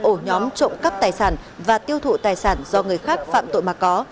ổ nhóm trộm cắp tài sản và tiêu thụ tài sản do người khác phạm tội mà có